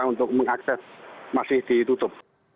untuk mengakses masih ditutup